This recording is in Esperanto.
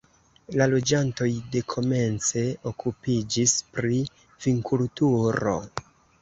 La loĝantoj dekomence okupiĝis pri vinkulturo.